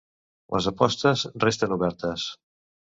Les apostes resten obertes.